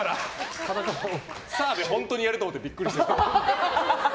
澤部、本当にやると思ってビックリしてた。